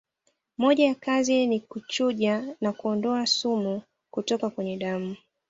Moja ya kazi ni kuchuja na kuondoa sumu kutoka kwenye damu